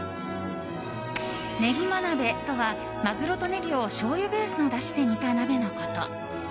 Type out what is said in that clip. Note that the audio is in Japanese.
ねぎま鍋とは、マグロとネギをしょうゆベースのだしで煮た鍋のこと。